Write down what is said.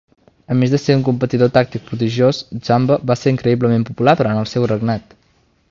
A més de ser un competidor tàctic prodigiós, Zamba va ser increïblement popular durant el seu regnat.